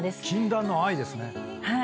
禁断の愛ですね。